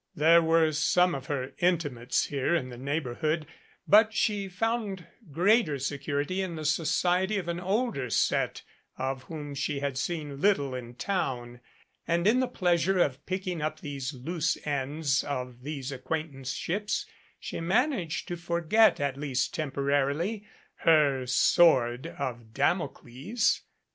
There were some of her intimates here in the neigh borhood, but she found greater security in the society of an older set of whom she had seen little in town and in the pleasure of picking up the loose ends of these acquaint anceships she managed to forget, at least temporarily, her sword of Damocles.